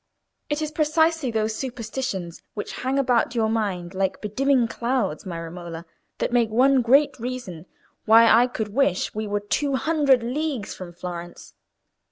"It is precisely those superstitions which hang about your mind like bedimming clouds, my Romola, that make one great reason why I could wish we were two hundred leagues from Florence.